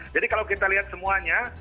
jadi kalau kita lihat semuanya